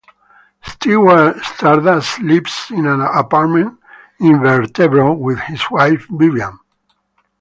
Stewart Stardust lives in an apartment in Vesterbro with his wife Vivian.